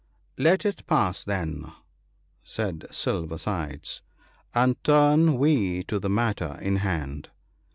"'" Let it pass, then," said Silver sides, " and turn we to the matter in hand.